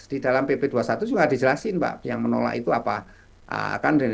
di dalam pp dua puluh satu juga dijelasin yang menolak itu apa kandil